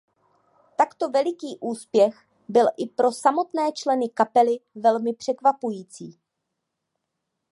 Takto veliký úspěch byl i pro samotné členy kapely velmi překvapující.